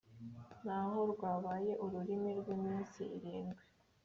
nk’aho rwabaye urumuri rw’iminsi irindwi.